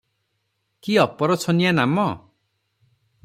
କି ଅପରଛନିଆ ନାମ!